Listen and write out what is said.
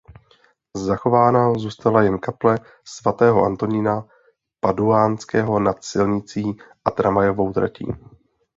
Zachována zůstala jen kaple svatého Antonína Paduánského nad silnicí a tramvajovou tratí.